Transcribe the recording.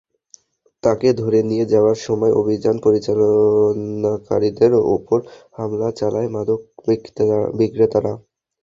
তাঁকে ধরে নিয়ে যাওয়ার সময় অভিযান পরিচালনাকারীদের ওপর হামলা চালায় মাদক বিক্রেতারা।